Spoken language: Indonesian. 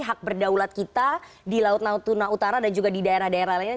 dari latar kita di laut tuna utara dan juga di daerah daerah lainnya